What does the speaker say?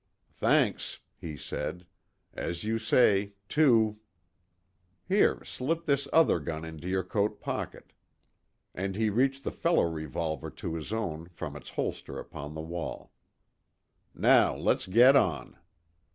"Thanks," he said. "As you say two Here, slip this other gun into your coat pocket." And he reached the fellow revolver to his own from its holster upon the wall. "Now let's get on."